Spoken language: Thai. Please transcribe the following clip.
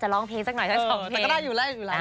จะร้องเพลงสักหน่อยใช่ไหม๒เพลง